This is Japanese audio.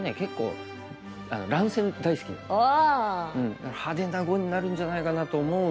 だから派手な碁になるんじゃないかなと思うんですけど。